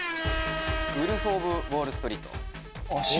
『ウルフ・オブ・ウォールストリート』。